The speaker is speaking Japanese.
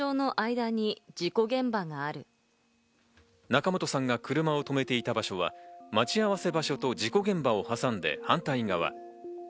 仲本さんが車をとめていた場所は待ち合わせ場所と事故現場を挟んで反対側。